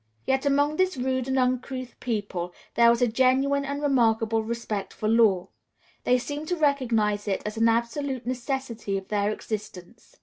Yet among this rude and uncouth people there was a genuine and remarkable respect for law. They seemed to recognize it as an absolute necessity of their existence.